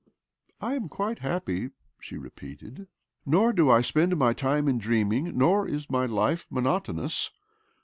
" I am quite happy," she repeated, " nor do I spend my time in dreaming, nor is my life monotonous.